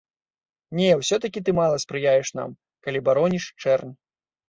Не, усё-такі ты мала спрыяеш нам, калі бароніш чэрнь.